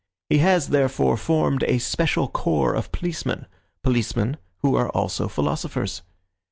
He has, therefore, formed a special corps of policemen, policemen who are also philosophers.